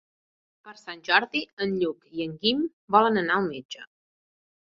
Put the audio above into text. Per Sant Jordi en Lluc i en Guim volen anar al metge.